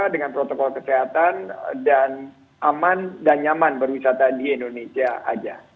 dengan protokol kesehatan dan aman dan nyaman berwisata di indonesia saja